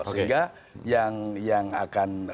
sehingga yang akan dihasilkan selanjutnya